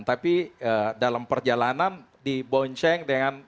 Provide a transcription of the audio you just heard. tapi dalam perjalanan di boon seng dengan